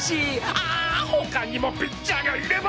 ああ他にもピッチャーがいれば！